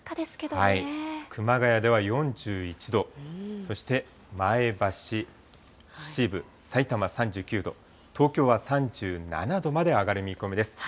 熊谷では４１度、そして前橋、秩父、さいたま３９度、東京は３７度まで上がる見込みです。